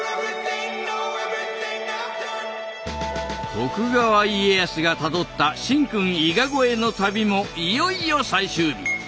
徳川家康がたどった神君伊賀越えの旅もいよいよ最終日。